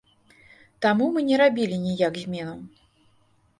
Таму мы не рабілі ніяк зменаў.